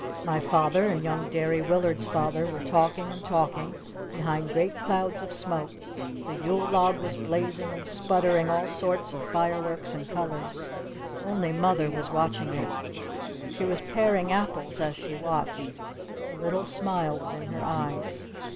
My father and young Derry Willard's father were talking and talking behind great clouds of smoke. The Yule log was blazing and sputtering all sorts of fireworks and colors. Only mother was watching it. She was paring apples as she watched. A little smile was in her eyes.